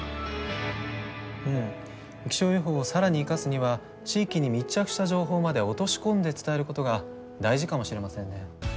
うん気象予報を更に生かすには地域に密着した情報まで落とし込んで伝えることが大事かもしれませんね。